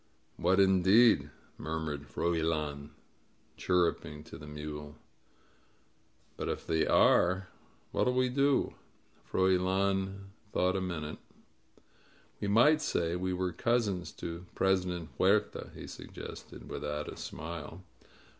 "What indeed?" murmured Froilan, chirruping to the mule. "But if they are, what'll we do?" 96 MEESTER'S FLIGHT Froilan thought a minute, "We might say we were cousins to President Huerta," he suggested, without a smile.